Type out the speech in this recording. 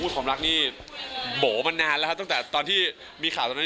ความรักนี่โบ๋มานานแล้วครับตั้งแต่ตอนที่มีข่าวตอนนั้น